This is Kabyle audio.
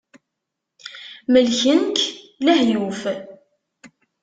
Melken-k lehyuf.